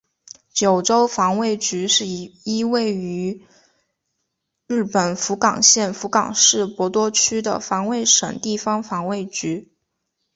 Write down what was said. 九州防卫局是一位于日本福冈县福冈市博多区的防卫省地方防卫局。